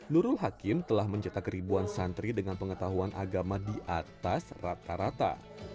nurul hakim telah mencetak ribuan santri dengan pengetahuan agama di atas rata rata